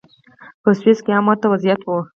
په سویس کې هم ورته وضعیت و.